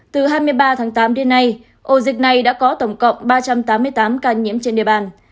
từ hai mươi ba tháng tám đến nay ổ dịch này đã có tổng cộng ba trăm tám mươi tám ca nhiễm trên địa bàn